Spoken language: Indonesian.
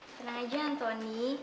tenang aja antoni